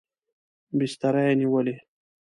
بستره یې نیولې.